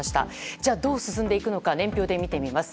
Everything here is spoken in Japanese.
じゃあ、どう進んでいくのか年表で見ていきます。